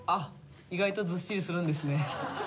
意外とずっしりするんですね。